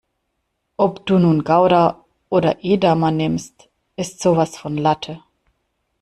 Ob du nun Gouda oder Edamer nimmst, ist sowas von Latte.